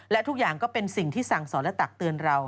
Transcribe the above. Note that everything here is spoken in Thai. และทุกอย่างก็เป็นสิ่งที่สั่งสอนและตักเตือนเรา